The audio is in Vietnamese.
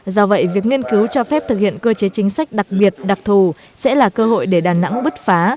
do vậy việc nghiên cứu cho phép thực hiện cơ chế chính sách đặc biệt đặc thù sẽ là cơ hội để đà nẵng bứt phá